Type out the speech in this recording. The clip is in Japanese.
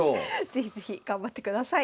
是非是非頑張ってください。